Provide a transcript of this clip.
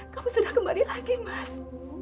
kamu sudah kembali lagi mas